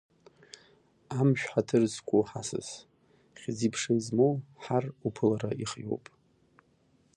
Амшә ҳаҭыр зқәу ҳасас, хьӡи-ԥшеи змоу ҳар уԥыларазы ихиоуп.